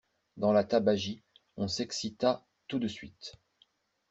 Dans la tabagie, on s'excita tout de suite.